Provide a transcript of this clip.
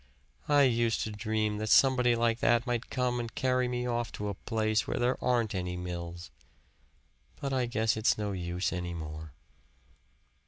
I used to dream that somebody like that might come and carry me off to a place where there aren't any mills. But I guess it's no use any more."